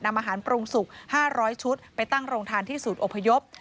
นำอาหารปรุงสุก๕๐๐ชุดไปตั้งโรงทานที่ศูนย์อพยพ